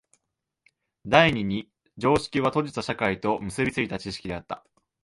第二に常識は閉じた社会と結び付いた知識であった。